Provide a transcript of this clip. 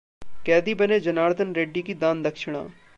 कैदी बने जनार्दन रेड्डी की दान-दक्षिणा